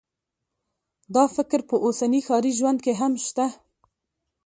دا فکر په اوسني ښاري ژوند کې هم شته